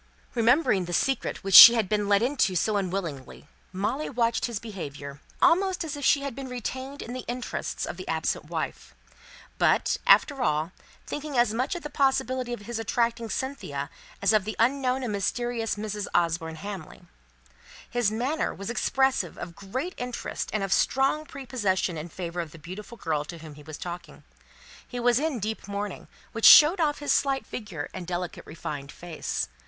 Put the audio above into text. Remembering the secret which she had been let into so unwillingly, Molly watched his behaviour, almost as if she had been retained in the interest of the absent wife; but, after all, thinking as much of the possibility of his attracting Cynthia as of the unknown and mysterious Mrs. Osborne Hamley. His manner was expressive of great interest and of strong prepossession in favour of the beautiful girl to whom he was talking. He was in deep mourning, which showed off his slight figure and delicate refined face.